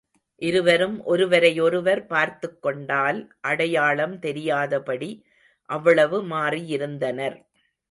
இருவரும் ஒருவரையொருவர் பார்த்துக்கொண்டால் அடையாளம் தெரியாதபடி அவ்வளவு மாறியிருந்தனர்.